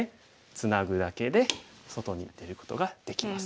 ツナぐだけで外に出ることができます。